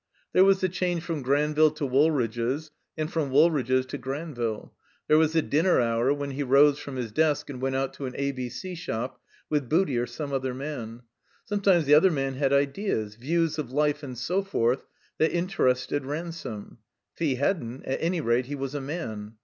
There was the change from Granville to Woolridge's, and from Woolridge's to Granville. There was the dinner hour when he rose from his desk and went out to an A B C shop with Booty or some other man. Sometimes the other man had ideas, views of life and so forth, that interested Ransome; if he hadn't, at any rate he was a man.